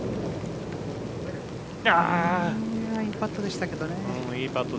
いいパットでしたけどね。